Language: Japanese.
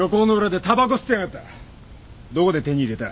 どこで手に入れた？